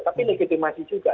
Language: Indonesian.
tapi legitimasi juga